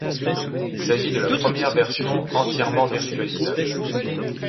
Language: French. Il s'agit de la première version entièrement virtualisable.